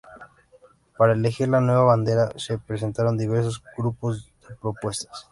Para elegir la nueva bandera, se presentaron diversos grupos de propuestas.